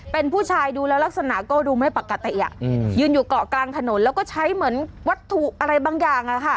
เป็นผู้ชายดูแล้วลักษณะก็ดูไม่ปกติยืนอยู่เกาะกลางถนนแล้วก็ใช้เหมือนวัตถุอะไรบางอย่าง